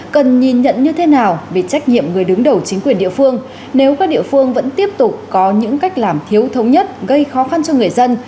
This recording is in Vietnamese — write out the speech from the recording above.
cần nhìn nhận như thế nào về trách nhiệm người đứng đầu chính quyền địa phương nếu các địa phương vẫn tiếp tục có những cách làm thiếu thống nhất gây khó khăn cho người dân